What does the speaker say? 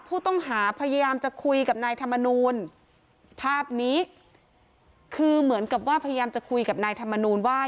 ผู้ต้องหาพยายามจะคุยกับนายธรรมนูลภาพนี้คือเหมือนกับว่าพยายามจะคุยกับนายธรรมนูลว่า